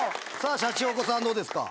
シャチホコさんどうですか？